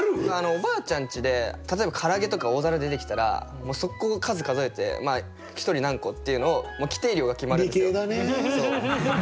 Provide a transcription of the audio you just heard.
おばあちゃんちで例えばから揚げとか大皿で出てきたらもう即行数数えて１人何個っていうのを規定量が決まるんですよ。